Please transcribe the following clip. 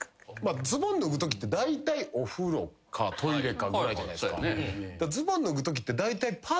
ズボン脱ぐときってだいたいお風呂かトイレかぐらいじゃないっすか。